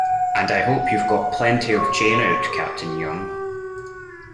And I hope you've got plenty of chain out, Captain Young.